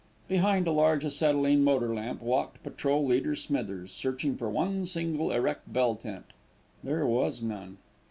Behind a large acetylene motor lamp, walked Patrol leader Smithers, searching for one single erect bell tent there was none.